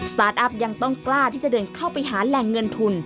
ตาร์ทอัพยังต้องกล้าที่จะเดินเข้าไปหาแหล่งเงินทุน